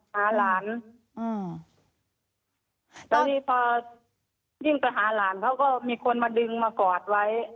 หาหลานอืมแล้วนี่พอวิ่งไปหาหลานเขาก็มีคนมาดึงมากอดไว้